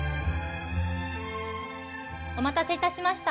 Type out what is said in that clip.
お待たせいたしました。